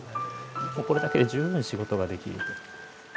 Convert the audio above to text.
もうこれだけで十分仕事ができる。